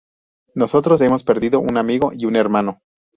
Nosotros hemos perdido un amigo y un hermano.